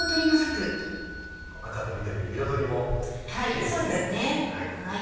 赤と緑で彩りもキレイですね。